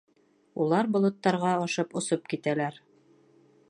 Улар болоттарға ашып, осоп китәләр.